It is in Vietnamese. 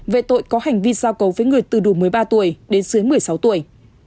về tội có hành vi giao cầu với người từ đủ một mươi ba tuổi đến dưới một mươi sáu tuổi